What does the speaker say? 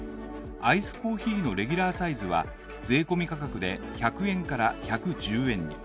アイスコーヒーのレギュラーサイズは、税込価格で１００円から１１０円に。